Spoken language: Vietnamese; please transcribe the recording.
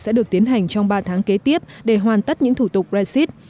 sẽ được tiến hành trong ba tháng kế tiếp để hoàn tất những thủ tục brexit